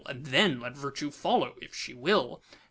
And then let Virtue follow if she will.